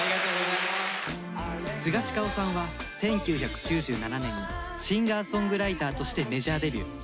スガシカオさんは１９９７年にシンガーソングライターとしてメジャーデビュー。